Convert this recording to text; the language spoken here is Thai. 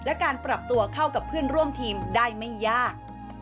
และการปรับตัวเข้ากับเพื่อนร่วมทีมได้ไม่ยาก